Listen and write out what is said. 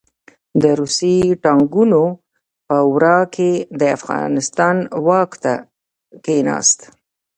د روسي ټانګونو په ورا کې د افغانستان واک ته کښېناست.